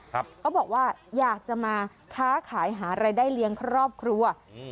เขาบอกว่าอยากจะมาค้าขายหารายได้เลี้ยงครอบครัวอืม